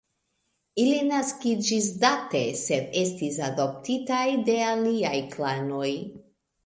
Ili naskiĝis Date, sed estis adoptitaj de aliaj klanoj.